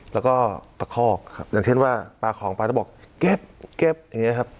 แล้วก็ประคอกครับอย่างเช่นว่าปลาของไปแล้วบอกเก็บอย่างนี้ครับ